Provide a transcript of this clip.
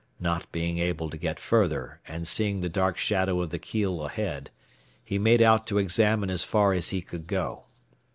Not being able to get further, and seeing the dark shadow of the keel ahead, he made out to examine as far as he could go.